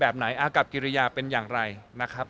แบบไหนอากับกิริยาเป็นอย่างไรนะครับ